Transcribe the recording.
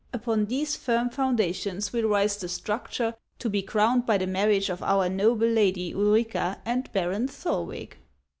Upon these firm foundations will rise the structure to be crowned by the marriage of our noble lady Ulrica and Baron Thorwick."